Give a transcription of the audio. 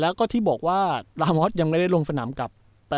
แล้วก็ที่บอกว่าลามอสยังไม่ได้ลงสนามกับ